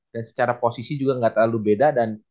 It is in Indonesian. dan secara posisi juga gak terlalu berbeda